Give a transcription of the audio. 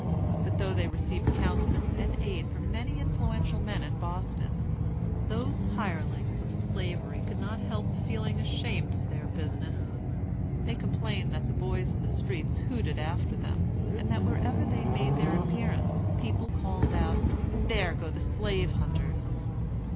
But though they received countenance and aid from many influential men in Boston, those hirelings of Slavery could not help feeling ashamed of their business. They complained that the boys in the streets hooted after them, and that wherever they made their appearance, people called out, "There go the slave hunters!"